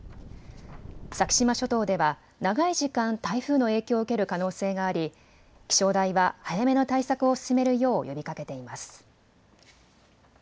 先島諸島では長い時間、台風の影響を受ける可能性があり気象台は早めの対策を進めるよう呼びかけています。